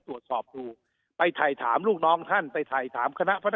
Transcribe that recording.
ตรวจสอบดูไปถ่ายถามลูกน้องท่านไปถ่ายถามคณะพระ